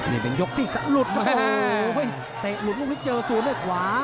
นี่เป็นยกที่สะหลุดครับโอ้โหเตะหลุดตรงนี้เจอศูนย์ด้วยขวา